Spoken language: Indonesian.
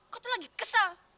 kau tuh lagi kesel